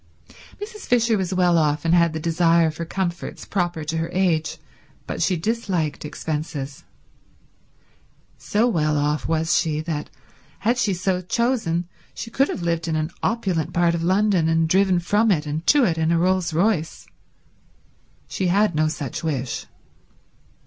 Mrs. Fisher was well off and had the desire for comforts proper to her age, but she disliked expenses. So well off was she that, had she so chosen, she could have lived in an opulent part of London and driven from it and to it in a Rolls Royce. She had no such wish.